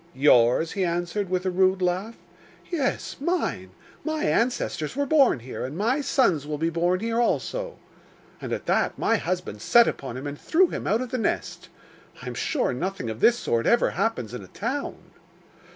"Yours?" he answered, with a rude laugh. "Yes, mine; my ancestors were born here, and my sons will be born here also." And at that my husband set upon him and threw him out of the nest. I am sure nothing of this sort ever happens in a town.